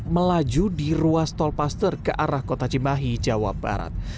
melaju di ruas tolpaster ke arah kota cimahi jawa barat